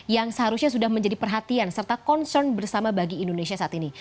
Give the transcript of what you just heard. yang seharusnya sudah menjadi perhatian serta concern bersama bagi indonesia saat ini